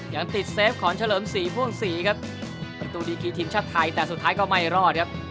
ยังติดเซฟของเฉลิมศรีพ่วงศรีครับประตูดีกีทีมชาติไทยแต่สุดท้ายก็ไม่รอดครับ